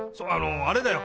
あれだよ